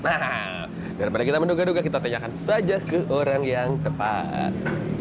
nah daripada kita menduga duga kita tanyakan saja ke orang yang tepat